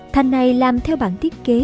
thành này làm theo bản tiết kế